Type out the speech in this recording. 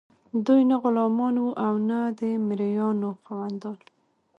دوی نه غلامان وو او نه د مرئیانو خاوندان.